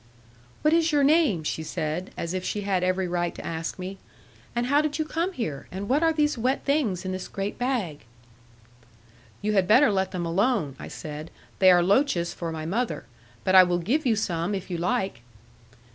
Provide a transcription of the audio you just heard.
'What is your name?' she said, as if she had every right to ask me; 'and how did you come here, and what are these wet things in this great bag?' 'You had better let them alone,' I said; 'they are loaches for my mother. But I will give you some, if you like.'